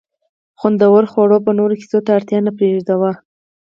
خوندورو خوړو به نورو کیسو ته اړتیا نه پرېښوده.